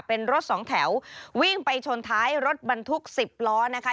เป็นรถสองแถววิ่งไปชนท้ายรถบรรทุก๑๐ล้อนะคะ